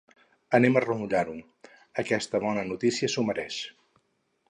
Anem a remullar-ho: aquesta bona notícia s'ho mereix.